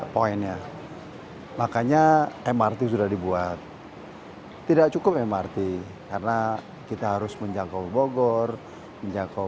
poinnya makanya mrt sudah dibuat tidak cukup mrt karena kita harus menjangkau bogor menjangkau